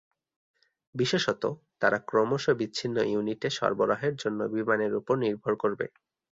বিশেষত, তারা ক্রমশ বিচ্ছিন্ন ইউনিটে সরবরাহের জন্য বিমানের উপর নির্ভর করবে।